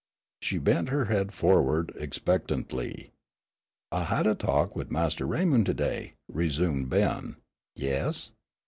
She bent her head forward expectantly. "I had a talk wid Mas' Raymond to day," resumed Ben. "Yes?"